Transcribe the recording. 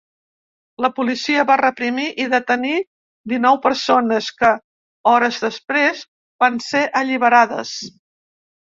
La policia va reprimir i detenir dinou persones, que hores després van ser alliberades.